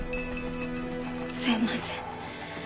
すいません。